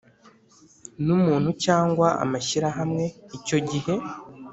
N umuntu cyangwa amashyirahamwe icyo gihe